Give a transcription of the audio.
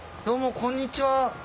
どうもこんにちは。